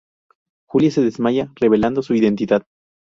Julia se desmaya, revelando su identidad.